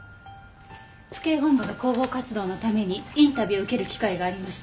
府警本部の広報活動のためにインタビューを受ける機会がありました。